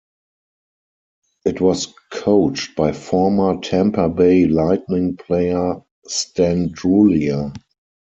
It was coached by former Tampa Bay Lightning player Stan Drulia.